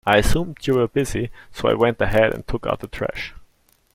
I assumed you were busy, so I went ahead and took out the trash.